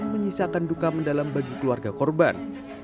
menyisakan duka mendalam bagi keluarga korban